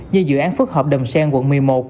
như dự án phước hợp đầm sen quận một mươi một